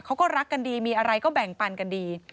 เขาก็รักกันดีมีอะไรก็แบ่งปันกันดี